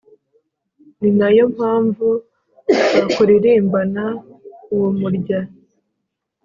ni nayo mpamvu bakulirimbana uwo murya